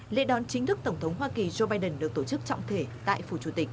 lễ đón chính thức tổng thống hoa kỳ joe biden được tổ chức trọng thể tại phủ chủ tịch